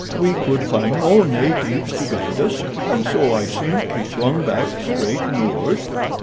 We could find no natives to guide us, and so I simply swung back straight north.